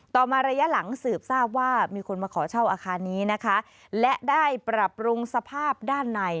มาระยะหลังสืบทราบว่ามีคนมาขอเช่าอาคารนี้นะคะและได้ปรับปรุงสภาพด้านใน